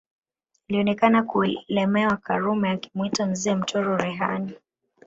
Alionekana kuelemewa Karume akamwita Mzee Mtoro Rehani